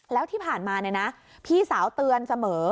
แล้วที่ผ่านมาเนี่ยนะพี่สาวเตือนเสมอ